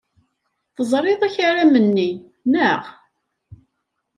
Teẓrid akaram-nni, naɣ?